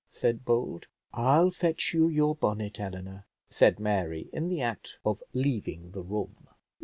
said Bold. "I'll fetch you your bonnet, Eleanor," said Mary, in the act of leaving the room.